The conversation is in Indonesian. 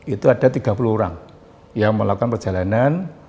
itu ada tiga puluh orang yang melakukan perjalanan